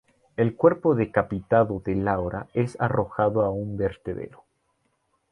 El cuerpo decapitado de Laura es arrojado a un vertedero.